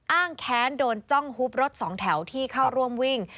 แค้นโดนจ้องฮุบรถสองแถวที่เข้าร่วมวิ่ง